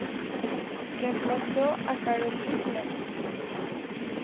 Remplazó a Caroline Flack.